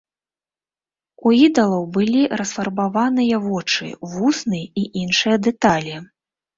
У ідалаў былі расфарбаваныя вочы, вусны і іншыя дэталі.